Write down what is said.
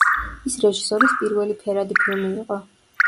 ის რეჟისორის პირველი ფერადი ფილმი იყო.